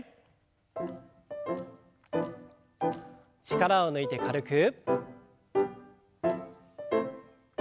力を抜いて軽く。